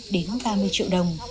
đến ba mươi triệu đồng